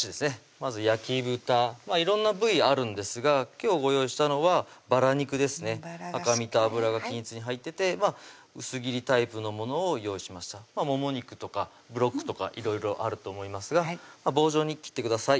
まず焼き豚色んな部位あるんですが今日ご用意したのはバラ肉ですね赤身と脂が均一に入ってて薄切りタイプのものを用意しましたもも肉とかブロックとかいろいろあると思いますが棒状に切ってください